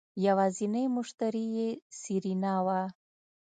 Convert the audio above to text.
يوازينی مشتري يې سېرېنا وه.